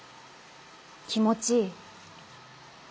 『気持ちいい』。